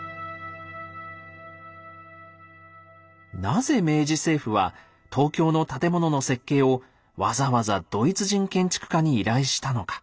なぜ明治政府は東京の建物の設計をわざわざドイツ人建築家に依頼したのか。